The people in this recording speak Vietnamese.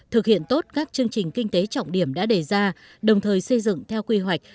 thực hiện tốt các chương trình kinh tế trọng điểm đã đề ra đồng thời xây dựng theo quy hoạch